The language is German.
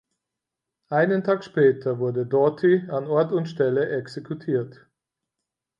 Einen Tag später wurde Doughty an Ort und Stelle exekutiert.